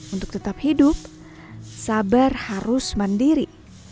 untuk tetap hidup sabar harus mandiri